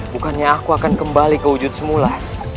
bukannya aku akan kembali ke wujud semula